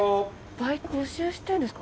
バイト募集してるんですか？